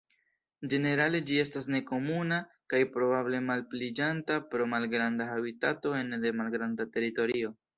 Ĝenerale ĝi estas nekomuna kaj probable malpliiĝanta pro malgranda habitato ene de malgranda teritorio.